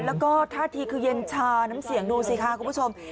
แล้วก็ท่าทีคือเย็นชาน้ำเสียงดูสิค่ะคุณผู้ชม